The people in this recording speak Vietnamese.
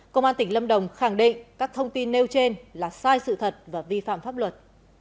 công an tỉnh lâm đồng khẳng định các thông tin nêu trên là sai sự thật và vi phạm pháp luật